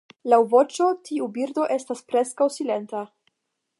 Laŭ voĉo tiu birdo estas preskaŭ silenta.